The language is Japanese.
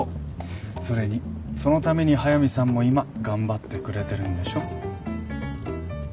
それにそのために速見さんも今頑張ってくれてるんでしょ？